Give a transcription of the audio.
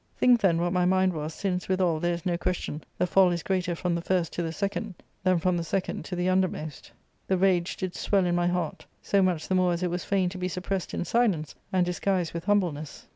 Think, then, what my mind was, since withal there is no question the fall is greater from the first to the second than from the second to the under most The rage did swell in my heart, so much the more as It was fain to be suppressed in silence, and disguised with humbleness.